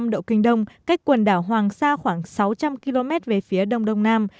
một trăm một mươi bảy năm độ kinh đông cách quần đảo hoàng sa khoảng sáu trăm linh km về phía đông đông nam